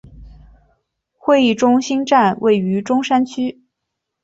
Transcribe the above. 会议中心站位于中山区。